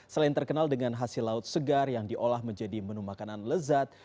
selain terkenal dengan hasil laut segar yang diolah menjadi menu makanan lezat